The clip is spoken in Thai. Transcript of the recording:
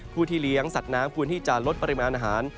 ที่เลี้ยงสัตว์น้ำควรที่จะลดปริมาณอาหาร